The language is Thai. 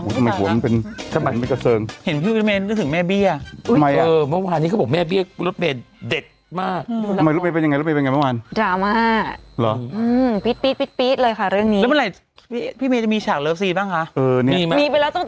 สวัสดีครับผมสวัสดีค่ะขาวใส่ไข่สดใหม่ให้เยอะ